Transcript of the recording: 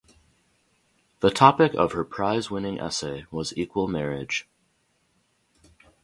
The topic of her prize-winning essay was equal marriage.